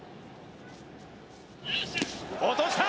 落とした！